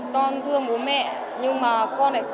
con thương bố mẹ nhưng mà con lại không nói ra được